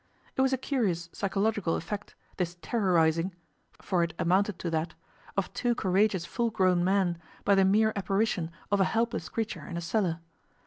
It was a curious psychological effect, this terrorizing (for it amounted to that) of two courageous full grown men by the mere apparition of a helpless creature in a cellar.